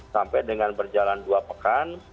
sampai dengan berjalan dua pekan